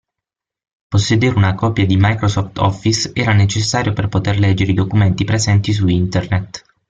Possedere una copia di Microsoft Office era necessario per poter leggere i documenti presenti su internet.